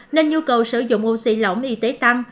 nên nhu cầu sử dụng oxy lỏng y tế tăng